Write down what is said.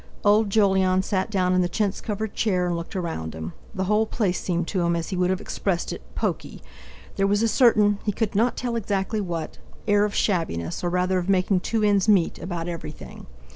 Old Jolyon sat down in the chintz covered chair, and looked around him. The whole place seemed to him, as he would have expressed it, pokey; there was a certain—he could not tell exactly what—air of shabbiness, or rather of making two ends meet, about everything.